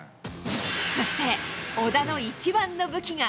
そして小田の一番の武器が。